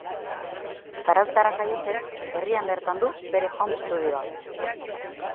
Zarauztarra jaiotzez, herrian bertan du bere home studioa.